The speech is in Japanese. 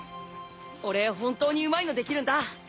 俺本当にうまいのできるんだ。